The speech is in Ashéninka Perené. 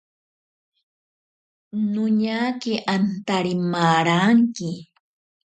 Noñake antari maranki.